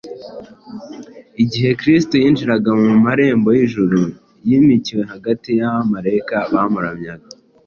Igihe Kristo yinjiraga mu marembo y’ijuru yimikiwe hagati y’abamarayika bamuramyaga.